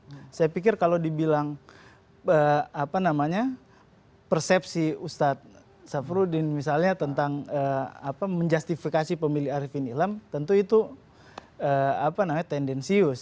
jadi saya pikir kalau dibilang persepsi ustadz safrudin misalnya tentang menjustifikasi pemilih arifin ilham tentu itu tendensius